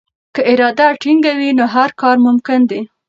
که اراده ټینګه وي نو هر کار ممکن دی.